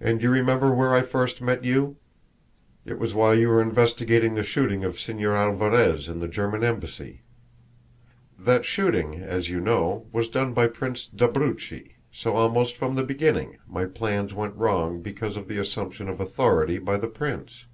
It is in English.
"And you remember where I first met you? It was while you were investigating the shooting of Señor Alvarez in the German embassy. That shooting, as you know, was done by Prince d'Abruzzi, so almost from the beginning my plans went wrong because of the assumption of authority by the prince.